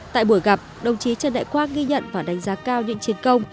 tại buổi gặp đồng chí trần đại quang ghi nhận và đánh giá cao những chiến công